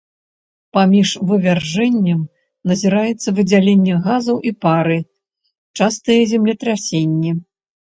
Паміж вывяржэнням назіраецца выдзяленне газаў і пары, частыя землетрасенні.